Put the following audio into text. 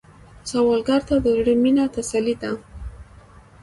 سوالګر ته د زړه مينه تسلي ده